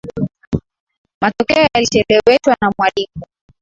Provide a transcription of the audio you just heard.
Matokeo yalicheleweshwa na mwalimu.